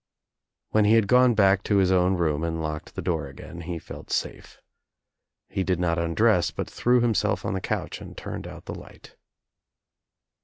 »When he had gone back to his own room and locked the door again he felt safe. He did not undress but threw himself on the couch and turned out the light.